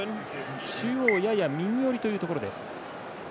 中央やや右寄りというところ。